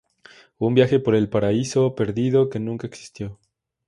Un viaje por el paraíso perdido que nunca existió.